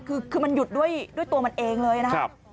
คือมันหยุดด้วยตัวมันเองเลยนะครับ